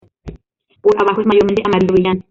Por abajo es mayormente amarillo brillante.